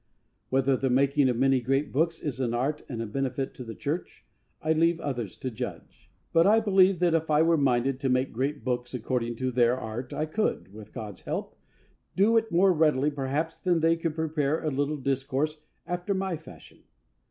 Whether the making of many great books is an art and a benefit to the Church, I leave others to judge. But I believe that if I were minded to make great books according to their art, I could, with God's help, do it more readily perhaps than they could prepare a little discourse after my fashion.